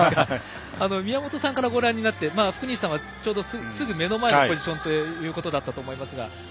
宮本さんからご覧になって福西さんはちょうどすぐ目の前のポジションだったと思います。